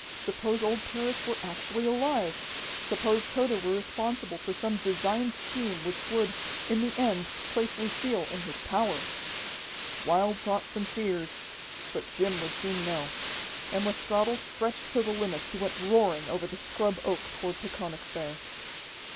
Suppose old Parrish were actually alive, suppose Tode were responsible for some designed scheme which would, in the end place Lucille in his power! Wild thoughts and fears but Jim would soon know. And with throttle stretched to the limit he went roaring over the scrub oak toward Peconic Bay.